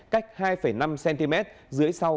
cách hai năm cm dưới sau